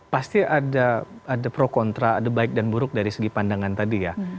pasti ada pro kontra ada baik dan buruk dari segi pandangan tadi ya